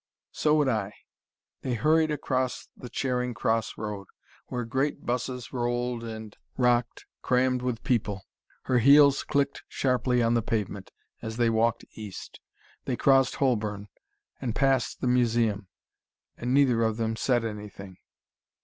"So would I." They hurried across the Charing Cross Road, where great buses rolled and rocked, crammed with people. Her heels clicked sharply on the pavement, as they walked east. They crossed Holborn, and passed the Museum. And neither of them said anything.